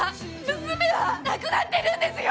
娘は亡くなってるんですよ！